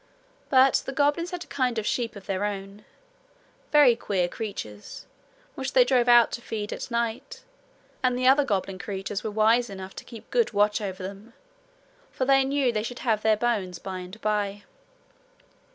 But the goblins had a kind of sheep of their own very queer creatures, which they drove out to feed at night, and the other goblin creatures were wise enough to keep good watch over them, for they knew they should have their bones by and by.